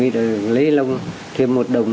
lấy lông thêm một đồng